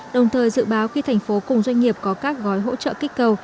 đồng thời dự báo khi thành phố cùng doanh nghiệp có các gói hỗ trợ kích cầu